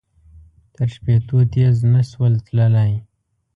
تر شپېتو تېز نه شول تللای.